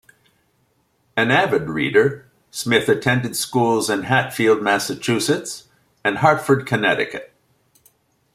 An avid reader, Smith attended schools in Hatfield, Massachusetts, and Hartford, Connecticut.